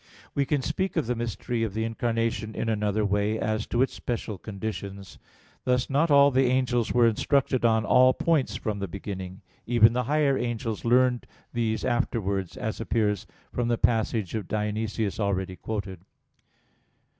We can speak of the mystery of the Incarnation in another way, as to its special conditions. Thus not all the angels were instructed on all points from the beginning; even the higher angels learned these afterwards, as appears from the passage of Dionysius already quoted.